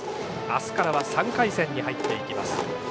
明日からは３回戦に入っていきます。